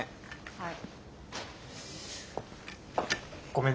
はい。